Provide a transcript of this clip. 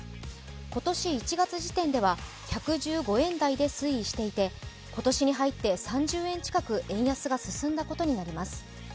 今年１月時点では１１５円台で推移していて今年に入って３０円近く円安が進んだことになります。